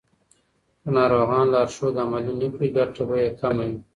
که ناروغان لارښود عملي نه کړي، ګټه به یې کمه وي.